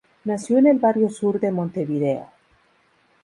Nació en el barrio Sur de Montevideo.